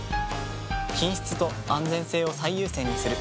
品質と安全性を最優先にする。